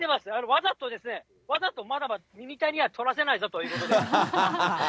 わざと、わざとミニタニには捕らせないぞということで。